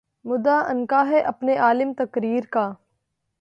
مدعا عنقا ہے اپنے عالم تقریر کا